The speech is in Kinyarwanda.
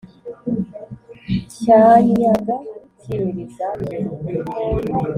cyanyaga cyimiriza-ngeri